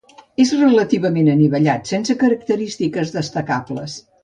És relativament anivellat, sense característiques destacables.